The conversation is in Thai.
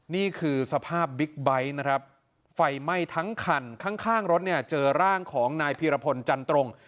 นี่คือสภาพบิ๊กไบท์นะครับไฟไหม้ทั้งคันข้างรถเนี่ยเจอร่างของนายพีรพลจันตรง